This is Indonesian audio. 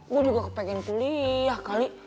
gue juga kepengen kuliah kali